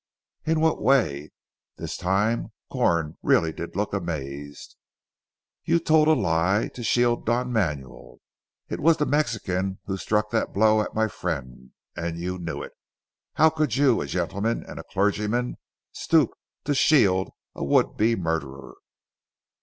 "In what way?" This time Corn really did look amazed. "You told a lie to shield Don Manuel. It was the Mexican who struck that blow at my friend, and you knew it. How could you a gentleman, and a clergyman stoop to shield a would be murderer."